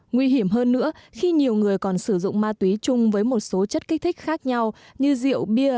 nguy hiểm hơn nữa khi nhiều người còn sử dụng ma túy chung với một số chất kích thích khác nhau như rượu bia